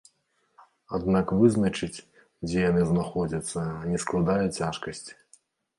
Аднак вызначыць, дзе яны знаходзяцца, не складае цяжкасці.